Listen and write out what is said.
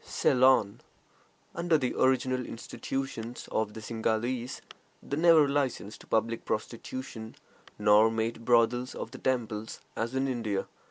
CEYLON. Under the original institutions of the Singhalese, they never licensed public prostitution, nor made brothels of the temples, as in India.